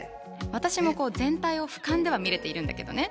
私もこう全体をふかんでは見れているんだけどね